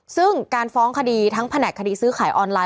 ซึ่งการฟ้องคดีทั้งแผนกคดีซื้อขายออนไลน